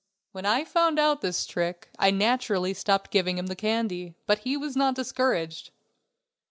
When I found out this trick I naturally stopped giving him the candy, but he was not discouraged.